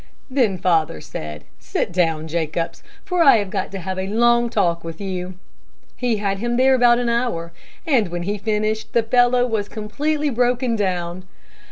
Then father said, 'Sit down, Jacobs, for I have got to have a long talk with you.' He had him there about an hour, and when he finished, the fellow was completely broken down.